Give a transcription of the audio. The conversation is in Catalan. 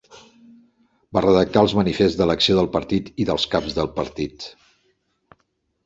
Va redactar els manifests d'elecció del partit i dels caps del partit.